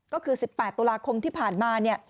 ก็คือ๑๘ตุลาคมที่ผ่านมา